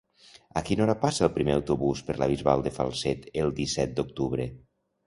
A quina hora passa el primer autobús per la Bisbal de Falset el disset d'octubre?